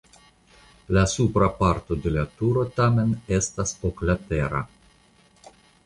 La supra parto de la turo tamen estas oklatera.